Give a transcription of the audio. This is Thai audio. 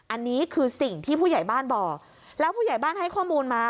อันนี้คือสิ่งที่ผู้ใหญ่บ้านบอกแล้วผู้ใหญ่บ้านให้ข้อมูลมา